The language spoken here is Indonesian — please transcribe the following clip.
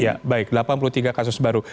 ya baik delapan puluh tiga kasus baru